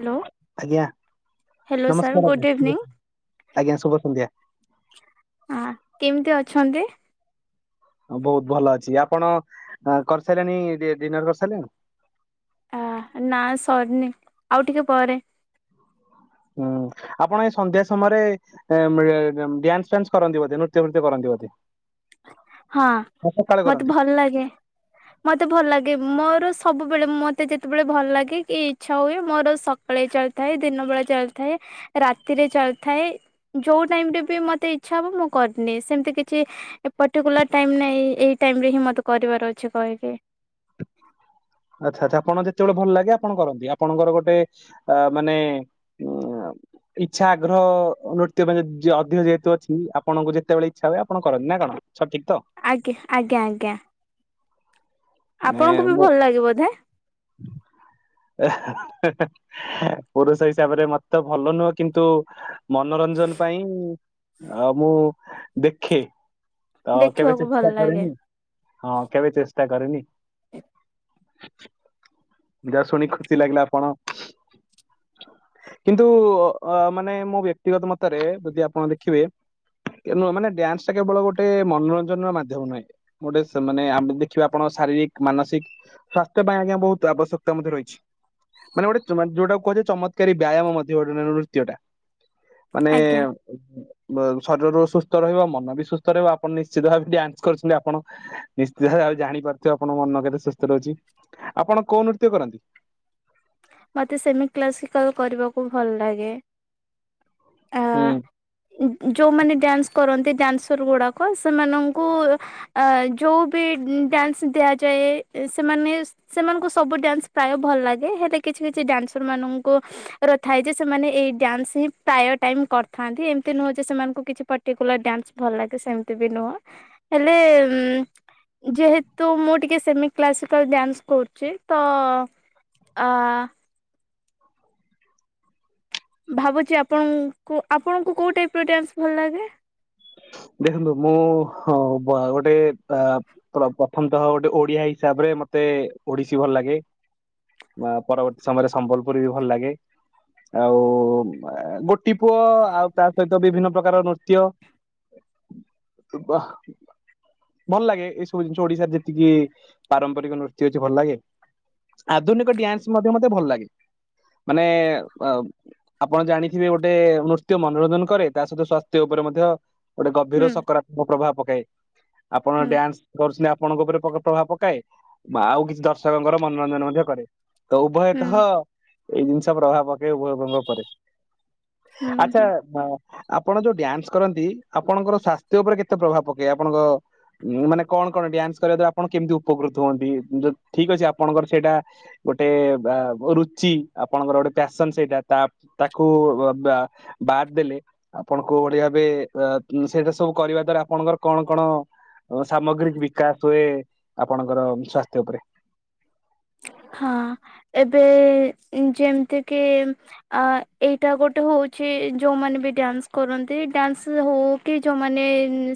Hello ଆଜ୍ଞା hello sir ନମସ୍କାର ଆଜ୍ଞା ଗୁଡ଼ ଶୁଭ ଇଭିନିଙ୍ଗ। ଆଜ୍ଞା ଶୁଭ ସନ୍ଧ୍ୟା ଆଁ କେମିତି ଅଛନ୍ତି? ହଁ ବହୁତ ଭଲ ଅଛି ଆପଣ ଆ କରିସାରିଲେଣି ଡି-ଡିନର୍ କରିସାରିଲେଣି? ଆ ନା ସରିନି ଆଉ ଟିକେ ପରେ। ହୁଁ ଆପଣ ଏ ସନ୍ଧ୍ୟା ସମୟରେ। ଏ ମ [unintelligible] ଡ୍ୟାନ୍ସ ଫାନ୍ସ କରନ୍ତି ବୋଧେ ନୃତ୍ୟ ଫୃତ୍ୟ କରନ୍ତି ବୋଧେ। ହଁ ନା ସକାଳେ ମତେ କରନ୍ତି ଭଲ ଲାଗେ। ମତେ ଭଲ ଲାଗେ ମୋର ସବୁବେଳେ ମତେ ଯେତେବେଳେ ଭଲ ଲାଗେ କି ଇଚ୍ଛା ହୁଏ ମୋର ସ ସକାଳେ ଚାଲିଥାଏ ଦିନ ବେଳା ଚାଲିଥାଏ ରାତିରେ ଚାଲିଥାଏ। ଯୋଉ ଟାଇମ ରେ ବି ମତେ ଇଚ୍ଛା ହବ ମୁଁ କରିନିଏ ସେମିତି କିଛି। ଏ ପର୍ଟିକୁଲାର ଟାଇମ ନାଇ ଏଇ ଟାଇମ ରେ ହିଁ ମତେ କରିବାର ଅଛି କହିକି। ଆଚ୍ଛା ଆଚ୍ଛା ଆପଣ ଯେତେବେଳେ ଭଲ ଲାଗେ ଆପଣ କରନ୍ତି ଆପଣଙ୍କର ଗୋଟେ ଆ ମାନେ ଉଁ ଆମ। ଇଚ୍ଛା ଆଗ୍ରହ ଅ ନୃତ୍ୟ ପାଇଁ ଜ ଅଧିକ ଯେହେତୁ ଅଛି ଆପଣଙ୍କୁ ଯେତେବେଳେ ଇଚ୍ଛା ହୁଏ ଆପଣ କରନ୍ତି ନା କଣ? ସଠିକ ତ। ଆଜ୍ଞା ଆଜ୍ଞା ଆଜ୍ଞା। ମାନେ ଆପଣଙ୍କୁ ବି ମୁଁ ଭଲ ଲାଗିବ ବଧେ? ଏ ହେ ହେ। ପୁରୁଷ ହିସାବରେ ମତେ ଭଲ ନୁହଁ କିନ୍ତୁ ମନୋରଞ୍ଜନ ପାଇଁ। ଆଉ ମୁଁ ଦେଖେ ତ କେବେ ଦେଖିବାକୁ ଭଲ ଚେଷ୍ଟା ଲାଗେ କରେନି। ହଁ କେବେ ଚେଷ୍ଟା କରିନି। ଯାହା ଶୁଣି ଖୁସି ଲାଗିଲା ଆପଣ। କିନ୍ତୁ ଅ ଅ ମାନେ ମୋ ବ୍ୟକ୍ତିଗତ ମତରେ ଯଦି ଆପଣ ଦେଖିବେ। ତେ ନୁହ ମାନେ ଡ୍ୟାନ୍ସ ଟା କେବଳ ଗୋଟେ ମନୋରଞ୍ଜନର ମାଧ୍ୟମ ନୁହେଁ। ଗୋଟେ ସେ ମାନେ ଆମେ ଦେଖିବା ଆପଣ ଶାରୀରିକ, ମାନସିକ ସ୍ଵାସ୍ଥ୍ୟ ପାଇଁ ଆଜ୍ଞା ବହୁତ। ତ ଆବଶ୍ୟକତା ମଧ୍ୟ ରହିଛି। ମାନେ ଗୋଟେ ଯୋଉଟାକୁ କୁହାଯାଏ ଚମତ୍କାରୀ ବ୍ୟାୟାମ ମଧ୍ୟ ଗୋଟେ [unintelligible] ନୃତ୍ୟ ଟା ମାନେ। ଆଜ୍ଞା। ଅ ବ ବ ଶରୀର ବି ସୁସ୍ଥ ରହିବ ମନ ବି ସୁସ୍ଥ ରହିବ ଆପଣ ନିଶ୍ଚିତ ଭାବେ ଡ୍ୟାନ୍ସ କରିଛନ୍ତି ଆପଣ। ନିଶ୍ଚିତ ଭାବେ ଆଉ ଜାଣିପାରୁଥିବେ ଆପଣଙ୍କ ମନ କେତେ ସୁସ୍ଥ ରହୁଛି। ଆପଣ କୋଉ ନୃତ୍ୟ କରନ୍ତି? ମତେ ସେମି କ୍ଲାସିକାଲ କରିବାକୁ ଭଲ ଲାଗେ। ହୁଁ। ଉଁ ଉଁ ଯଉମାନେ ଡ୍ୟାନ୍ସ କରନ୍ତି ଡ୍ୟାନ୍ସର ଗୁଡ଼ାକ ସେମାନଙ୍କୁ। ଆ ଯୋଉ ବି ଉଁ ଡ୍ୟାନ୍ସ ଦିଆଯାଏ ଏ ସେମାନେ ସେମାନଙ୍କୁ ସବୁ ଡ୍ୟାନ୍ସ ପ୍ରାୟ ଭଲ ଲାଗେ ହେଲେ କିଛି କିଛି ଡ୍ୟାନ୍ସର ମାନଙ୍କୁ। ର ଥାଏ ଯେ ସେମାନେ ଏଇ ଡ୍ୟାନ୍ସ ହିଁ ପ୍ରାୟ ଟାଇମ କରିଥାନ୍ତି ଏମିତି ନୁହଁ ଯେ ସେମାନଙ୍କୁ କିଛି ପ ଟିକୁଲାର ଡ୍ୟାନ୍ସ ଭଲ ଲାଗେ ସେମିତି ବି ନୁହଁ ହେଲେ ଉଁ। ଯେହେତୁ ମୁଁ ଟିକେ ସେମି କ୍ଲାସିକାଲ ଡ୍ୟାନ୍ସ କରୁଛି ତ। ଅ। ଭାବୁଛି ଆପଣଙ୍କୁ ଆପଣଙ୍କୁ କୋଉ ଟାଇପ ର ଡ୍ୟାନ୍ସ ଭଲ ଲାଗେ? ଦେଖନ୍ତୁ ମୁଁ ହଁ ବ ଗୋଟେ ଆ। ପ୍ର-ପ୍ରଥମତଃ ଗୋଟେ ଓଡିଆ ହିସାବରେ ମତେ ଓଡିଶୀ ଭଲ ଲାଗେ। ପରବର୍ତ୍ତୀ ସମୟରେ ସମ୍ବଲପୁରୀ ବି ଭଲ ଲାଗେ। ଆଉ ଗୋଟି ପୁଅ ଆଉ ତା ସହିତ ବିଭିନ୍ନ ପ୍ରକାର ନୃତ୍ୟ। ବା ଭଲ ଲାଗେ ଏଇସବୁ ଜିନିଷ ଓଡିଶାରେ ଯେତିକି ପାରମ୍ପରିକ ନୃତ୍ୟ ଅଛି ଭଲ ଲାଗେ। ଆଧୁନିକ ଡ୍ୟାନ୍ସ ମଧ୍ୟ ମତେ ଭଲ ଲାଗେ ମାନେ ଆପଣ ଜାଣିଥିବେ ଗୋଟେ ନୃତ୍ୟ ମନୋରନଜନ କରେ ତା ସହିତ ସ୍ୱାସ୍ଥ୍ୟ ଉପରେ ମଧ୍ୟ ଗୋଟେ ଗଭୀର ହୁଁ ସକାରାତ୍ମକ ପ୍ରଭାବ ପକାଏ ଆପଣ ହୁଁ ଡ୍ୟାନ୍ସ କରୁଛନ୍ତି ଆପଣଙ୍କ ଉପରେ ପ୍ରଭାବ ପକାଏ ଆଉ କିଛି ଦର୍ଶକଙ୍କର ମନୋରଞ୍ଜନ ମଧ୍ୟ କରେ। ତ ଉଭୟ ତ ହୁଁ ଏଇ ଜିନିଷ ପ୍ରଭାବ ପକେଇବ ଉଭୟ ଉଭୟଙ୍କ ଉପରେ। ହୁଁ ଆଚ୍ଛା ହୁଁ ଆପଣ ଯୋଉ ଡ୍ୟାନ୍ସ କରନ୍ତି ଆପଣଙ୍କର ସ୍ଵାସ୍ଥ୍ୟ ଉପରେ କେତେ ପ୍ରଭାବ ପକାଏ ଆପଣଙ୍କ ମାନେ କଣ କଣ ଡ୍ୟାନ୍ସ କରିବାକୁ ଆପଣ କେମିତି ଉପକୃତ ହୁଅନ୍ତି ଠିକ ଅଛି ଆପଣଙ୍କର ସେଇଟା ଗୋଟେ ରୁଚି ଆପଣଙ୍କର ଗୋଟେ ପ୍ୟାସନ ସେଇଟା ତା ତାକୁ ବାଦ୍ ଦେଲେ ଆପଣ କୋଉ ଭଳି ଭାବେ ସେଇଟା ସବୁ କରିବା ଦ୍ଵାରା ଆପଣଙ୍କର କଣ କଣ ସାମଗ୍ରୀକ ବିକାଶ ହୁଏ ଆପଣଙ୍କର ସ୍ଵାସ୍ଥ୍ୟ ଉପରେ? ହଁ ଏବେ ଯେମିତି କିି ଆ ଏଇଟା ଗୋଟେ ହଉଛି ଯୋଉମାନେ ବି ଡ୍ୟାନ୍ସ କରନ୍ତି ଡ୍ୟାନ୍ସ ହଉ କି ଯୋଉମାନେ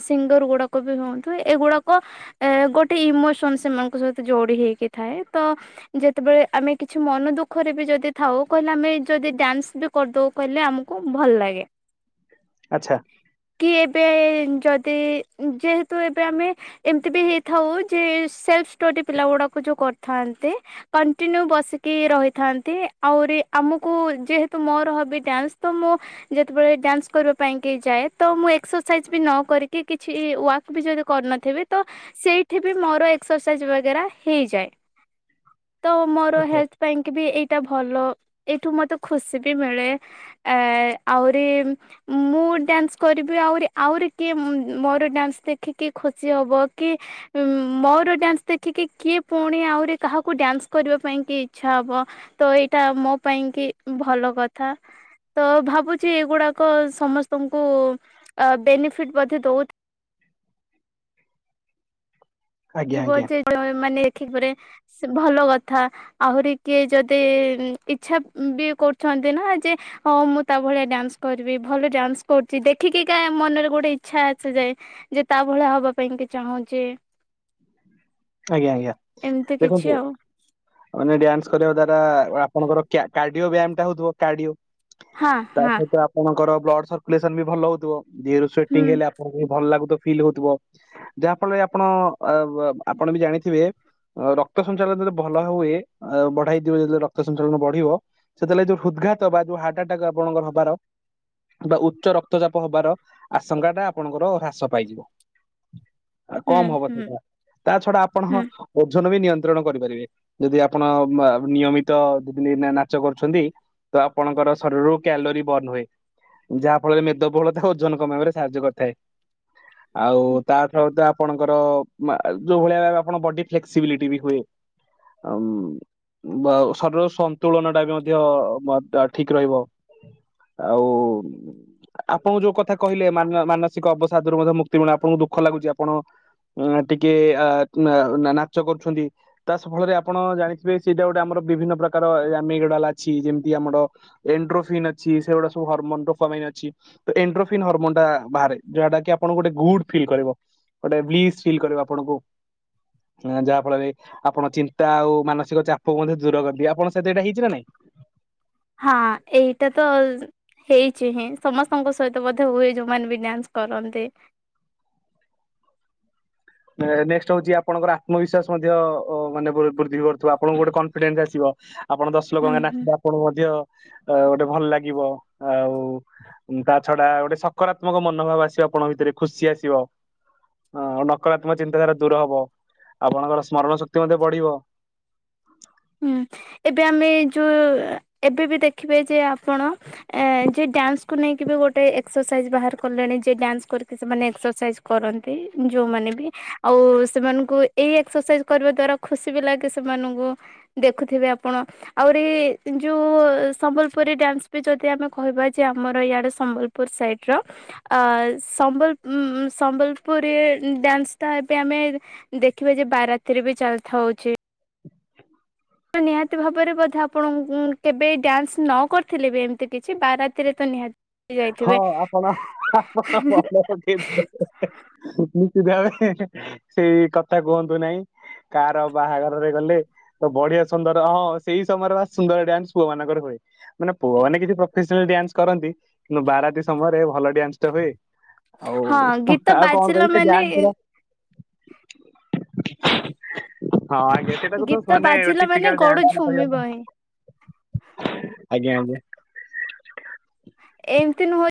ସିଙ୍ଗର ଗୁଡାକ ବି ହୁଅନ୍ତୁ ଏଗୁଡାକ ଏ ଗୋଟେ ଇମୋସନ ସେମାନଙ୍କ ସହିତ ଯୋଡି ହେଇକି ଥାଏ ତ ଯେତେବେଳେ ଆମେ କିଛି ମନ ଦୁଖରେ ବି ଯଦି ଥାଉ କହିଲେ ଆମେ ଯଦି ଡ୍ୟାନ୍ସ ଦେ କରିଦବୁ କହିଲେ ଆମକୁ ଭଲ ଲାଗେ। ଆଚ୍ଛା। କି ଏବେ ଯଦି ଯେହେତୁ ଏବେ ଆମେ ଏମିତି ବି ହେଇଥାଉ ଯେ ସେଲ୍ଫ ଷ୍ଟଡି ପିଲା ଗୁଡାକୁ ଯୋଉ କରିଥାନ୍ତି। କଣ୍ଟିନ୍ୟୁ ବସିକି ରହିଥାନ୍ତି ଆହୁରି ଆମକୁ ଯେହେତୁ ମୋର ହବି ଡ୍ୟାନ୍ସ ତ ମୁଁ ଯେତେବେଳେ ଡ୍ୟାନ୍ସ କରିବା ପାଇଁ କେ ଯାଏ ତ ମୁଁ ଏକ୍ସରସାଇଜ ବି ନ କରିକି କିଛି ୱାକ୍ ବି ଯଦି କରିନଥିବେ ତ ସେଇଠି ବି ମୋର ଏକ୍ସରସାଇଜ ବଗେରା ହେଇଯାଏ। ତ ମୋର ଆଚ୍ଛା। ହେଲ୍ଥ ପାଇଁ କି ବି ଏଇଟା ଭଲ ଏଇଠୁ ମତେ ଖୁସି ବି ମିଳେ। ଆ ଆହୁରି ମୁଁ ଡ୍ୟାନ୍ସ କରିବି ଆହୁରି ଆହୁରି କିଏ ମୋର ଡ୍ୟାନ୍ସ ଦେଖି କିଏ ଖୁସି ହବ କି ମୋର ଡ୍ୟାନ୍ସ ଦେଖିକି କିଏ ପୁଣି ଆଉ କାହାକୁ ଡ୍ୟାନ୍ସ କରିବା ପାଇଁ କି ଇଚ୍ଛା ହେବ। ତ ଏଇଟା ମୋ ପାଇଁ କି ଭଲ କଥା। ତ ଭାବୁଛି ଏଗୁଡାକ ସମସ୍ତଙ୍କୁ ବେନିଫିଟ ମଧ୍ୟ ଦଉ ଆଜ୍ଞା ଥିବ ଆଜ୍ଞା ଯେ ଏମାନେ ଦେଖ ପରେ ଭଲ କଥା। ଆହୁରି କିଏ ଯଦି ଇଚ୍ଛା ବି କରୁଛନ୍ତି ନା ଯେ ହଁ ମୁଁ ତା ଭଳିଆ ଡ୍ୟାନ୍ସ କରିବି ଭଲ ଡ୍ୟାନ୍ସ କରୁଛି ଦେଖିକି କା ମନରେ ଗୋଟେ ଇଚ୍ଛା ଆସି ଯାଏ। ଯେ ତା ଭଳିଆ ହବା ପାଇଁ କି ଚାହୁଁଛେ। ଆଜ୍ଞା ଆଜ୍ଞା ଏମିତି କିଛି ଦେଖନ୍ତୁ ଆଉ ମାନେ ଡ୍ୟାନ୍ସ କରିବା ଦ୍ଵାରା ଆପଣଙ୍କର କାର୍ଡିଓ ବ୍ୟାୟାମ ଟା ହଉଥିବ କାଡିଉ। ହଁ ତା ହଁ ସହିତ ଆପଣଙ୍କର ବ୍ଲଡ ସରକୁଲେସନ ବି ଭଲ ହଉଥିବି ଦେହରୁ ହୁଁ ସ୍ଵତିଂ ହେଲେ ଭଲ ଲାଗୁଥ ଫିଲ୍ ହଉଥିବ ଯାହା ଫଳରେ ଆପଣ ଆପଣ ବି ଜାଣିଥିବେ ରକ୍ତ ସଞ୍ଚାଳନ ଯଦି ଭଲ ହୁଏ ବଢେଇ ଦିବ ଯେତେବେଳେ ରକ୍ତ ସଂଞ୍ଚାଳନ ବଢିବ। ସେତେବେଳେ ଯୋଉ ହୃଦ୍ଘାତ ବା ଯୋଉ ହାଟଟାକ ଆପଣଙ୍କର ହବାର ବା ଉଚ୍ଚ ରକ୍ତଚାପ ହବାର ଆଶଙ୍କାଟା ଆପଣଙ୍କର ହ୍ରାସ ପାଇଯିବ। ହୁଁ କମ ହବ ହୁଁ ସେଟା ତା ଛଡା ଆପଣ ହୁଁ ଓଜନ ବି ନିୟନ୍ତ୍ରଣ କରିପାରିବେ ଯଦି ଆପଣ ନିୟମିତ ଦ ନାଚ କରୁଛନ୍ତି। ତ ଆପଣଙ୍କର ଶରୀରରୁ କ୍ୟାଲୋରିୀ ବର୍ଣ୍ଣ ହୁଏ। ଯାହା ଫଳରେ ମେଦବହୁଳଥା ଓଜନ କମାଇବାରେ ସାହାଯ୍ୟ କରିଥାଏ। ଆଉ ତା ସହିତ ଆପଣଙ୍କର ମା ଆ ଯୋଉ ଭଳିଆ ଆପଣ ବଡି ଫ୍ଲେକ୍ସିବିଲିଟି ବି ହୁଏ। ଅଉଁ ବା ଶରୀର ସନ୍ତୁଳନ ଟା ବି ମଧ୍ୟ ଅ ଠିକ ରହିବ। ଆଉ ଆପଣଙ୍କୁ ଯୋଉ କଥା କହିଲେ ମାନ୍ୟ ମାନସିକ ଅବସାଦରୁ ମଧ୍ୟ ମୁକ୍ତି ମିଳେ ଆପଣଙ୍କୁ ଦୁଃଖ ଲାଗୁଛି ଆପଣ ଉଁ, ଟିକେ ଅ ନା ନା ନାଚ କରୁଛନ୍ତି। ତାସଫଳରେ ଆପଣ ଜାଣିଥିବେ ସେଇଟା ଗୋଟେ ଆମର ବିଭିନ୍ନ ପ୍ରକାର ଆ ମେଗଡାଲା ଅଛି ଯେମିତି ଆମର ଏଣ୍ଡ୍ରୋଫିନ୍ ଅଛି। ସେଗୁଡା ସବୁ ହର୍ମୋନ ର କମି ଅଛି। ଏଣ୍ଡ୍ରୋଫିନ ହରମୋନ ଟା ବାହାରେ ଯାହାଟା କି ଆପଣଙ୍କୁ ଗୋଟେ ଗୁଡ ଫିଲ କରିବ, ଗୋଟେ ବ୍ଲିସ ଫିଲ କରିବ ଆ ପଣକୁୁ। ଅଁ ଯାହା ଫଳରେ ଆପଣ ଚିନ୍ତା ଆଉ ମାନସିକ ଚାପକୁ ମଧ୍ୟ ଦୂର କରନ୍ତି। ଆପଣ ସେ ଦିଟା ହେଇଛି ନା ନାଇଁ। ହଁ ଏଇଟା ତ ଅ ଜ ହେଇଛି ହିଁ। ସମସ୍ତଙ୍କ ସହିତ ବଧେ ହୁଏ ଯୋଉ ମାନେ ବି ଡ୍ୟାନ୍ସ କରନ୍ତି। ଏ ନେକ୍ସଟ ହଉଛି ଆପଣଙ୍କର ଆତ୍ମବିଶ୍ୱାସ ମଧ୍ୟ ଅ ମାନେ ବୃ ବୃଦ୍ଧି କରୁଥିବ। ଆପଣଙ୍କୁ ଗୋଟେ କନଫିଡେନ୍ସ ଆସିବ। ଆପଣ ଦଶ ଲୋକଙ୍କ ହୁଁ ହୁଁ। [unintelligible] ଆପଣଙ୍କୁ ମଧ୍ୟ ଅ ଗୋଟେ ଭଲ ଲାଗିବ ଆଉ ଉଁ ତା ଛଡା ଗୋଟେ ସକାରାତ୍ମକ ମନୋଭାବ ଆସିବ ଆପଣଙ୍କ ଭିତରେ, ଖୁସି ଆସିବ। ଅଁ ନ କରାତ୍ମକ ଚିନ୍ତାଧାରା ଦୂର ହବ। ଆପଣଙ୍କର ସ୍ମରଣ ଶକ୍ତି ମଧ୍ୟ ବଢିବ। ହୁଁ। ଏବେ ଆମେ ଯୋଉ ଏବେ ବି ଦେଖିବେ ଯେ ଆପଣ ଅଁ ଯେ ଡ୍ୟାନ୍ସକୁୁ ନେଇକି ବି ଗୋଟେ ଏକ୍ସରସାଇଜ ବାହାର କଲେଣି। ଯେ ଡ୍ୟାନ୍ସ କରିକି ସେମାନେ ଏକ୍ସରସାଇଜ କରନ୍ତି ଯୋଉମାନେ ବି ଆଉ ସେମାନଙ୍କୁ ଏଇ ଏକ୍ସରସାଇଜ କରିବା ଦ୍ଵାରା ଖୁସି ବି ଲାଗେ ସେମାନଙ୍କୁ ଦେଖୁଥିବେ ଆପଣ। ଆହୁରି ଯୋଉ ସମ୍ବଲପୁରୀ ଡ୍ୟାନ୍ସ ବି ଯଦି ଆମେ କହିବା ଯେ ଆମର ଇଆଡେ ସମ୍ବଲ ପୁର ସାଇଡ଼ ର ଅ ସମ୍ବଲ ଉମ ଉଁ ସମ୍ବଲପୁରୀ ଡ୍ୟାନ୍ସ ଟା ଏବେ ଆମେ ଦେଖିବା ଯେ ବାର ରାତିରେ ବି ଚାଲିଥା ହଉଛି। ତ ନିହାତି ଭାବରେ ବଧେ ଆପଣ କେବେ ଡ୍ୟାନ୍ସ ନ କରିଥିଲେ ବି ଏମିତି କିଛି ବାରାତିରେ ତ ନିହାତି ହଁ ଯାଇଥିବେ ଆପଣ ହା ହା ହା [unintelligible] ନିଶ୍ଚିତ ଭାବେ ସେଇ କଥା କୁହନ୍ତୁ ନାହିଁ। କା ର ବାହାଘରରେ ଗଲେ ତ ବଢିଆ ସୁନ୍ଦର ହଁ ସେଇ ସମୟରେ ବା ସୁନ୍ଦର ଡ୍ୟାନ୍ସ ପୁଅ ମାନଙ୍କର ହୁଏ। ମାନେ ପୁଅ ମାନେ କିଛି ପ୍ରଫେସନାଲ ଡ୍ୟାନ୍ସ କରନ୍ତି। କିନ୍ତୁ ବାରାତି ସମୟରେ ଭଲ ଡ୍ୟାନ୍ସ ତ ହୁଏ ଆଉ ହଁ ଗୀତ ଆଉ କଣ ବାଜିଲା କହିବି ସେ ମାନେ ଡ୍ୟାନ୍ସ ଟା ହଁ ଆଜ୍ଞା। ସେଟା କୁ ତ ଗୀତ ସେମାନେ ବାଜିଲା ମାନେ ଟିପିକାଲ ଗୋଡ ଡ୍ୟାନ୍ସ ବୋଲି ଝୁମିବ ହିଁ କହିହବ। ଆଜ୍ଞା ଆଜ୍ଞା। ଏମିତି ନୁହ।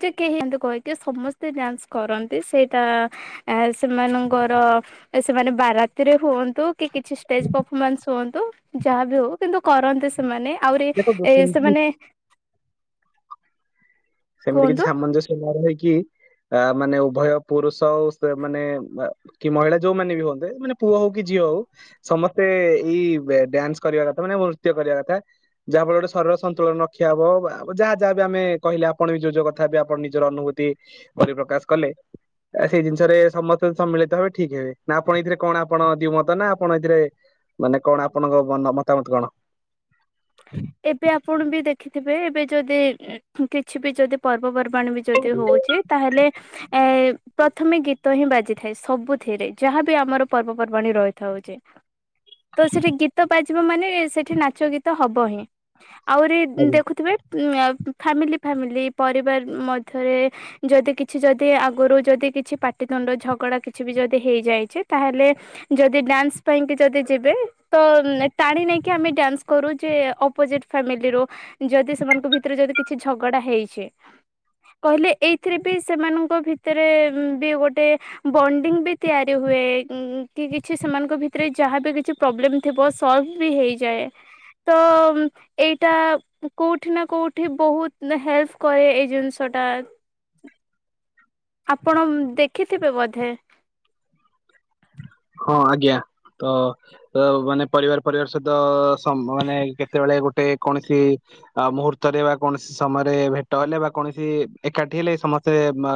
ଯେ କେହି [unintelligible] କହିକି ସମସ୍ତେ ଡ୍ୟାନ୍ସ କରନ୍ତି ସେଇଟା ଆ ସେମାନଙ୍କର ସେମାନେ ବାରାତିରେ ହୁଅନ୍ତୁ କି କିଛି ଷ୍ଟେଜ ପରଫମାନ୍ସ ହୁଅନ୍ତୁ, ଯାହା ବିି ହଉ କିନ୍ତୁ କରନ୍ତି ସେମାନେ। ଆହୁରି ଦେଖନ୍ତୁ ଏ ସେମିତି ସେମାନେ ସେମିତି କିଛି କୁହନ୍ତୁ ସାମଞ୍ଜସ୍ୟ ମୋର ନାହିକି ଆ ମାନେ ଉଭୟ ପୁରୁଷ ଆଉ ସ୍ ମାନେ ଅ କି ମହିଳା ଯୋଉମାନେ ବି ହୁଅନ୍ତେ ମାନେ ପୁଅ ହଉ କି ଝିଅ ହଉ ସମସ୍ତେ ଇ ଡ୍ୟାନ୍ସ କରିବା କଥା, ମାନେ ନୃତ୍ୟ କରିବା କଥା। ଯାହା ଫଳରେ ଗଟେ ଶରୀର ସନ୍ତୁଳନ ରକ୍ଷା ହବ। ଆ ଯାହା ଯାହା ବି ଆମେ କହିଲେ ଆ ଆପଣ ବି ଯୋଉ ଯୋଉ କଥା ବି ଆପଣ ନିଜର ଅନୁଭୂତି ବୋଲି ପ୍ରକାଶ କଲେ ଅ ସେଇ ଜିନିଷରେ ସମସ୍ତେ ସମ୍ମିଳିତ ହେବେ ଠିକ ହେବେ ନା ଆପଣ ଏଥିରେ କଣ ଆପଣ ଦିଉ ମତ ନା ଆପଣ ଏଥିରେ ମାନେ କଣ ଆପଣଙ୍କ ମନ ମତାମତ କଣ? ଏବେ ଆପଣ ବି ଦେଖିଥିବେ ଏବେ ଯଦି ଉଁ କିଛି ବି ଯଦି ପର୍ବପର୍ବାଣି ବି ଯଦି ହଉଛି ତାହେଲେ ଏ ପ୍ରଥମେ ଗୀତ ହିଁ ବାଜିଥାଏ ସବୁଥିରେ ଯାହାବି ଆମର ପର୍ବପର୍ବାଣୀ ରହିଥାଉ ଯେ। ତ ସେଠି ଗୀତ ବାଜିବ ମାନେ ସେଠି ନାଚ ଗୀତ ହବ ହିଁ ଆହୁରି ଆଜ୍ଞା। ଦେଖୁଥିବେ। ମ୍ୟା ଫାମିଲି, ଫ୍ୟାମିଲି ପରିବାର ମଧ୍ୟରେ। ଯଦି କିଛି ଯଦି ଆଗରୁ ଯଦି କିଛି ପାଟିତୁଣ୍ଡ ଝଗଡା କିଛି ବି ଯଦି ହେଇଯାଇଛି ତାହେଲେ ଯଦି ଡ୍ୟାନ୍ସ ପାଇଁକି ଯଦି ଯିବେ ତ ଟାଣି ନେଇକି ଆମେ ଡ୍ୟାନ୍ସ କରୁ ଯେ ଅପୋଜିଟ ଫାମିଲି ରୁ ଯଦି ସେମାନଙ୍କ ଭିତରେ ଯଦି କିଛି ଝଗଡା ହେଇଛି। କହିଲେ ଏଇଥିରେ ବି ସେମାନଙ୍କ ଭିତରେ ବି ଗୋଟେ ବଣ୍ଡିଙ୍ଗ ବି ତିଆରି ହୁଏ କି କିଛି ସେମାନଙ୍କ ଭିତରେ ଯାହାବ କିଛି ପ୍ରୋବ୍ଲେମ୍ ଥିବ ସଲ୍ଭ୍ ବି ହୋଇଯାଏ। ତ ମୁ ଏଇଟା କୋଉଠି ନା କୋଉଠି ବହୁତ ହେଲ୍ପ କରେ ଏଇ ଜିନିଷଟା। ଆପଣ ଦେଖିଥିବେ ବୋଧେ? ହଁ ଆଜ୍ଞା ତ ତ ମାନେ ପରିବାର ପରିବାର ସହିତ ସ ମାନେ କେତେବେଳେ ଗୋଟେ କୌଣସି ଆ ମୁହୂର୍ତ୍ତରେ ବା କୌଣସି ସମୟରେ ଭେଟ ହେଲେ ବା କୌଣସି ଏକାଠି ହେଲେ ସମସ୍ତେ ବା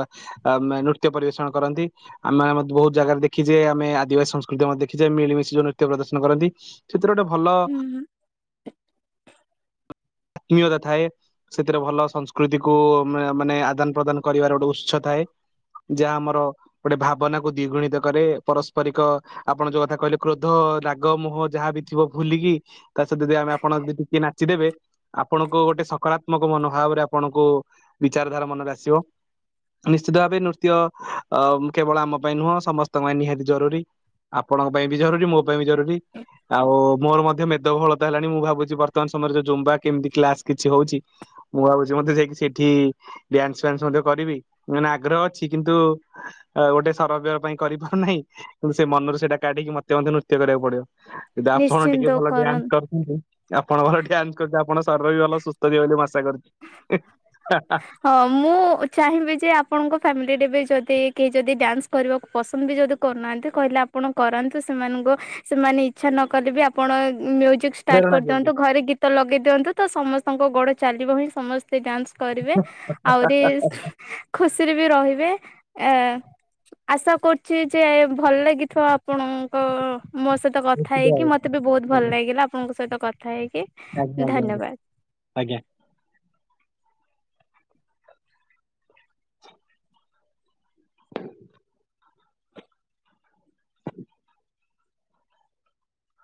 ଆ ମ ନୃତ୍ୟ ପରିବେଷଣ କରନ୍ତି ଆମେ ବହୁତ ଜାଗାରେ ଦେଖିଛେ। ଆମେ ଦିବା ସଂସ୍କୃତି ଦେଖିଚେ ମିଳିମଶି ଯଉ ନୃତ୍ୟ ପ୍ରଦର୍ଶନ କରନ୍ତି। ସେଥିରେ ଗୋଟେ ଭଲ ଆତ୍ମୀୟତା ଥାଏ। ସେଥିରେ ଭଲ ସଂସ୍କୃତି କୁ ମା ମାନେ ଆଦାନ ପ୍ରଦାନ କରିବାର ଗୋଟେ ଉତ୍ସ ଥାଏ। ଯାହା ଆମର ଗୋଟେ ଭାବନା କୁ ଦ୍ୱିଗୁଣିତ କରେ। ପରସ୍ କିପରିକ ଆପଣ ଯୋଉ କଥା କହିଲେ କ୍ରୋଧ, ରାଗ, ମୁହ, ଯାହାବ ଥିବ ଭୁଲିକି ତା ସହିତ ଯଦି ଆମେ ଆପଣ ଯଦି ଟିକେ ନାଚିଦେବେ ଆପଣଙ୍କୁ ଗୋଟେ ସକାରାତ୍ମକ ମନୋଭାବରେ ଆପଣଙ୍କୁ ବିଚାରଧାରା ମନରେ ଆସିବ। ନିଶ୍ଚିତ ଭାବେ ନୃତ୍ୟ ଅ କେବଳ ଆମ ପାଇଁ ନୁହଁ ସମସ୍ତଙ୍କ ପାଇଁ ନିହାତି ଜରୁରି ଆପଣଙ୍କ ପାଇଁ ବି ଜରୁରୀ ମୋ ପାଇଁ ବି ଜରୁରୀ ଆଉ ମୋର ମଧ୍ୟ ମେଦବହଳ ହେଲାଣି ମୁଁ ଭାବୁଛି ବର୍ତ୍ତମାନ ସମୟରେ ଯଉ ଜୁମ୍ବା କେମିତି କ୍ଲାସ କିଛି ହଉଛି? ମୁଁ ଭାବୁଛି ମତେ ଯାଇକି ସେଇଠି ଡ୍ୟାନ୍ସ ଫ୍ୟନ୍ସ ମଧ୍ୟ କରିବି ମାନେ ଆଗ୍ରହ ଅଛି, କିନ୍ତୁ ଗୋଟେ ସରବର ପାଇଁ କରିପାରୁନାହିଁ। କିନ୍ତୁ ସେ ମନରେ ସେଇଟା କାଢିକି ମତେ ମଧ୍ଯ ନୃତ୍ୟ କରିବାକୁ ପଡିବ। ଯଦି ଆପଣ ଟିକେ ନିଶ୍ଚିନ୍ତ ଭଲ ଡ୍ୟାନ୍ସ କରନ୍ କର ଆପଣ ଭଲ ଡ୍ୟାନ୍ସ କରେ ଆପଣ ସରବ ବି ଭଲ ସୁସ୍ଥ ଥିବ ବୋଲି ମୁ ଆଶା କରୁଛି, ହେ ହା ହା। ହଁ ମୁଁ ଚାହିଁବି ଯେ ଆପଣଙ୍କ ଫ୍ୟାମିଲି ରେ ବି ଯଦି କେହି ଯଦି ଡ୍ୟାନ୍ସ କରିବାକୁ ପସନ୍ଦ ବି ଯଦି କରୁନାହାନ୍ତି କହିଲେ ଆପଣ କରନ୍ତୁ। ସେମାନଙ୍କୁ ସେମାନେ ଇଛା ନ କଲେ ବି ଆପଣ ଷ୍ଟାର୍ଟ ପ୍ରେରଣା କରିଦିଅନ୍ତୁ ଦିଅନ୍ତୁ ଘରେ ଗୀତ ଲଗେଇ ଦିଅନ୍ତୁ ତ ସମସ୍ତଙ୍କ ଗୋଡ଼ ଚାଲିବ ହିଁ ସମସ୍ତେ ଡ୍ୟାନ୍ସ କରିବେ, ଆହୁରି ଖୁସିରେ ବି ରହିବେ। ଆ ଆଶା କରୁଛି ଯେ ଭଲ ଲାଗିଥିବ ଆପଣଙ୍କ ମୋ ସହିତ କଥା ନିଶ୍ଚିତ ହେଇକି ଭାବେ ମତେ ବି ବହୁତ ଭଲ ଆଜ୍ଞା ଲାଗିଲା ଆପଣଙ୍କ ସହିତ କଥା ହେଇକି। ଆଜ୍ଞା ଆଜ୍ଞା ଆଜ୍ଞା ଧନ୍ୟବାଦ। ଆଜ୍ଞା। [inaudible]